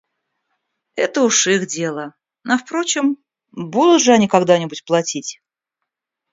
Это уж их дело, а впрочем, будут же они когда-нибудь платить.